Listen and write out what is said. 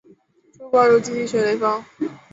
朱伯儒积极学雷锋。